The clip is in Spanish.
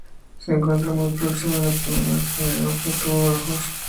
Se encuentra muy próxima a la primera sinagoga que tuvo Badajoz.